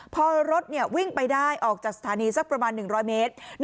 พอรถวิ่งไปได้ออกจากสถานีสักประมาณ๑๐๐เมตร